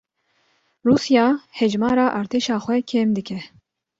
Rûsya hejmara artêşa xwe kêm dike